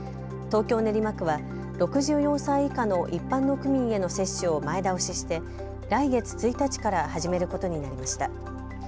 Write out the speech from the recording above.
東京練馬区は６４歳以下の一般の区民への接種を前倒しして来月１日から始めることになりました。